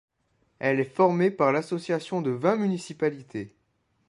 Elle est formée par l'association de vingt municipalités.